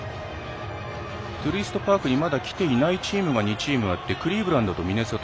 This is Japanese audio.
トゥルイストパークにまだきていないチームが２チームあってクリーブランドとミネソタ